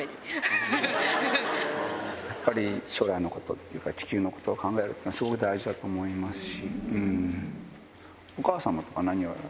やっぱり将来のことっていうか、地球のことを考えるっていうのはすごい大事だと思いますし、お母様は何を？